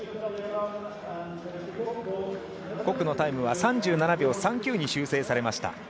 コックのタイムは３７秒３９に修正されました。